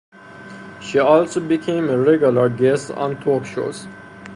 She also became a regular guest on talk shows.